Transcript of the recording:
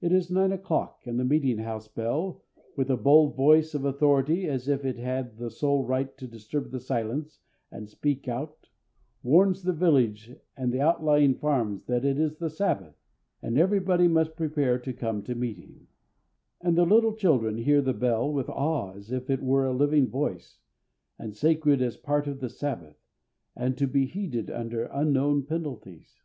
It is nine o'clock, and the meeting house bell, with a bold voice of authority, as if it had the sole right to disturb the silence and to speak out, warns the village and the outlying farms that it is the Sabbath, and everybody must prepare to come to meeting; and the little children hear the bell with awe as if it were a living voice, and sacred as a part of the Sabbath, and to be heeded under unknown penalties.